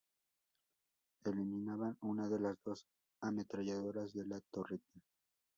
G eliminaban una de las dos ametralladoras de la torreta.